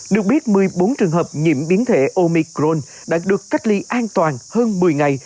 được biết một mươi bốn trường hợp nhiễm biến thể omicron đã được cách ly an toàn hơn một mươi ngày